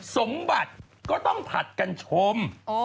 สมบัติก็ต้องผัดกันชม